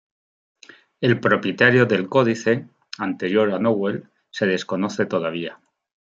El propietario del códice –anterior a Nowell– se desconoce todavía.